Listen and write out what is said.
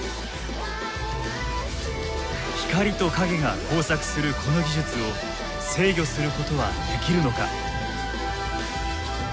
光と影が交錯するこの技術を制御することはできるのか。